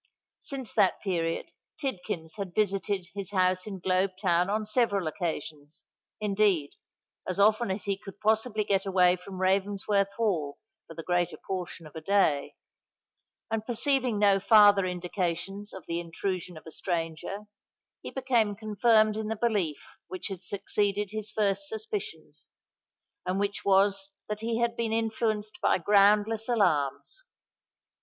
Since that period Tidkins had visited his house in Globe Town on several occasions—indeed, as often as he could possibly get away from Ravensworth Hall for the greater portion of a day; and, perceiving no farther indications of the intrusion of a stranger, he became confirmed in the belief which had succeeded his first suspicions, and which was that he had been influenced by groundless alarms.